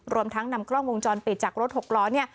รวมทั้งนำกล้องวงจรปิดจากรถหกล้อเนี่ย